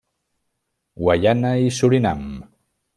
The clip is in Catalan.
Guaiana i Surinam.